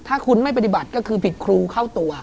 ถ้าคุณไม่ปฏิบัติก็คือผิดครูเข้าตัว